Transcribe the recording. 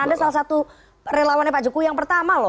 anda salah satu relawannya pak jokowi yang pertama loh